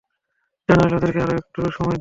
General, ওদেরকে আরো একটু সময় দিন।